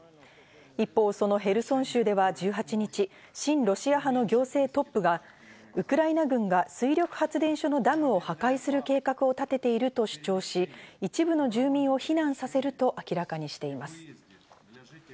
一方、そのヘルソン州では１８日、親ロシア派の行政トップがウクライナ軍が水力発電所のダムを破壊する計画を立てていると主張し、一部の住民を避難させると明らかにしています。